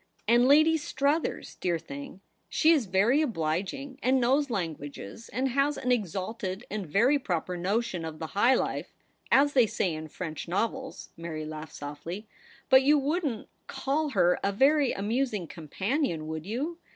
' And Lady Struthers, dear thing — she is very obliging, and knows languages, and has an exalted and very proper notion of '' the high life," as they say in French novels, Mary laughed softly ;' but you wouldn't call her a very amusing companion, would you